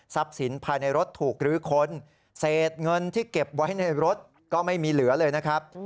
สินภายในรถถูกลื้อค้นเศษเงินที่เก็บไว้ในรถก็ไม่มีเหลือเลยนะครับ